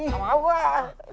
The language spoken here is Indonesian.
gak mau pak